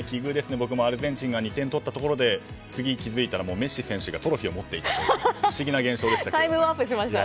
僕もアルゼンチンが２点取ったところで次、気付いたらメッシ選手がトロフィーを持っていたという不思議な現象がありましたが。